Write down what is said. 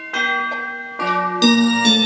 รักเธอรักเธอ